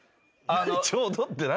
「ちょうど」って何？